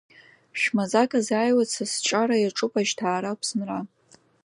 Шә-маӡак азааиуеит са сҿара Иаҿуп ажьҭаара Аԥсынра!